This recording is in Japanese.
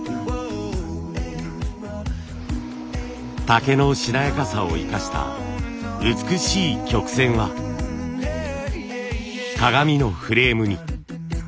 竹のしなやかさを生かした美しい曲線は鏡のフレームに。